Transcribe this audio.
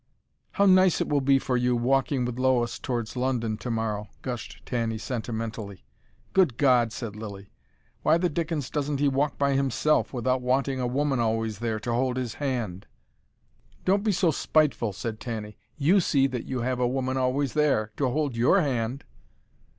"How nice it will be for you, walking with Lois towards London tomorrow," gushed Tanny sentimentally. "Good God!" said Lilly. "Why the dickens doesn't he walk by himself, without wanting a woman always there, to hold his hand." "Don't be so spiteful," said Tanny. "YOU see that you have a woman always there, to hold YOUR hand."